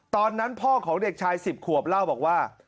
ตอนนั้นพ่อของเด็กชาย๑๐ขวบเล่าบอกว่า